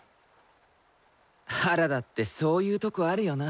原田ってそういうとこあるよな。